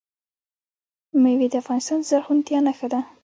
مېوې د افغانستان د زرغونتیا نښه ده.